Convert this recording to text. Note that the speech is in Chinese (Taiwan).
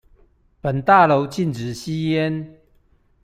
本大樓禁止吸煙